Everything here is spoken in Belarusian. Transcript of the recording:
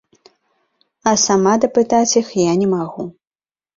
А сама дапытаць іх я не магу.